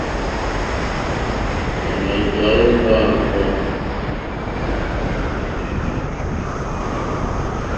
À mà jàwó mbáǃáŋɡó.